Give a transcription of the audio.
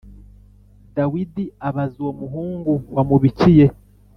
Dawidi abaza uwo muhungu wamubikiye